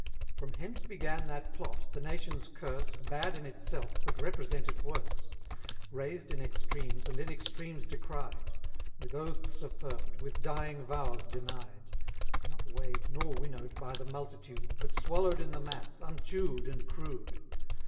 From hence began that Plot, the nation's curse, Bad in itself, but represented worse; Raised in extremes, and in extremes decried: 110 With oaths affirm'd, with dying vows denied; Not weigh'd nor winnow'd by the multitude; But swallow'd in the mass, unchew'd and crude.